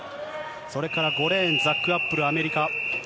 それから５レーン、ザック・アップル、アメリカ。